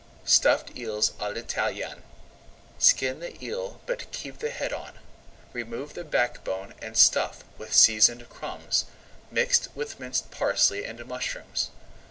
STUFFED EELS À L'ITALIENNE Skin the eel but keep the head on. Remove the back bone and stuff with seasoned crumbs, mixed with minced parsley and mushrooms.